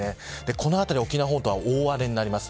このあたり、沖縄本島は大荒れになります。